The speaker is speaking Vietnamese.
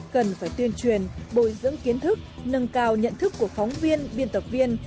cần phải tuyên truyền bồi dưỡng kiến thức nâng cao nhận thức của phóng viên biên tập viên